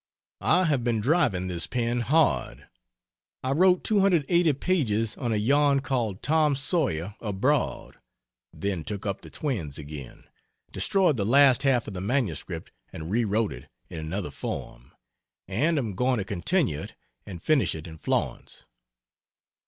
I have been driving this pen hard. I wrote 280 pages on a yarn called "Tom Sawyer Abroad," then took up the "Twins" again, destroyed the last half of the manuscript and re wrote it in another form, and am going to continue it and finish it in Florence.